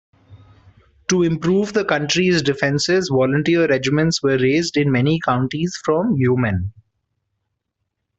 To improve the country's defences, volunteer regiments were raised in many counties from yeomen.